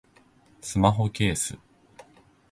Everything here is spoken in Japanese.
スマホケース